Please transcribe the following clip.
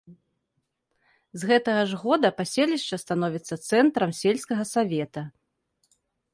З гэтага ж года паселішча становіцца цэнтрам сельскага савета.